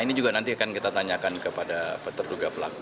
ini juga nanti akan kita tanyakan kepada terduga pelaku